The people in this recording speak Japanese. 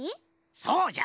そうじゃ！